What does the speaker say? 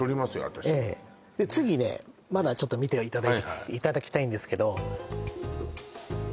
私次ねまだちょっと見ていただきたいんですけど